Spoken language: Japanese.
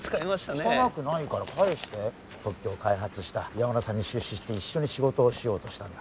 汚くないから返して特許を開発した岩村さんに出資し一緒に仕事をしようとしたんだ